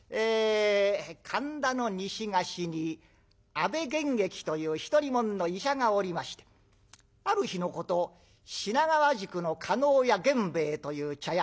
神田の西河岸に阿部玄益という独り者の医者がおりましてある日のこと品川宿の叶屋源兵衛という茶屋